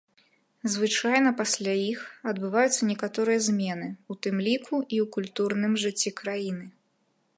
Звычайна, пасля іх адбываюцца некаторыя змены, у тым ліку, і ў культурным жыцці краіны.